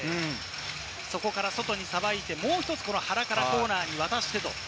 そこから外にさばいて、もう１つ原からコーナーに渡して。